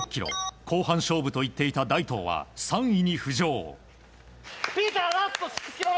後半勝負といっていた大東は３位に浮上。